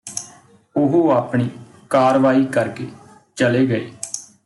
ਉਹ ਆਪਣੀ ਕਾਰਵਾਈ ਕਰਕੇ ਚਲੇ ਗਏ